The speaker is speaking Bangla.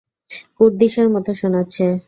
কুর্দিশের মত শোনাচ্ছে।